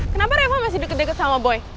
kenapa reva masih deket deket sama boy